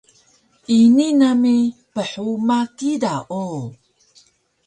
Ini nami phuma kida o!